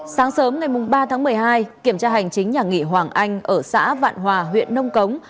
sáng sớm ngày ba tháng một mươi hai kiểm tra hành chính nhà nghị hoàng anh ở xã vạn hòa huyện nông cống